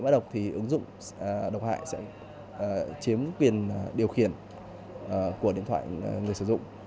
độc hại sẽ chiếm quyền điều khiển của điện thoại người sử dụng